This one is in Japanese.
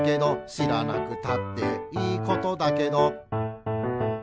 「しらなくたっていいことだけど」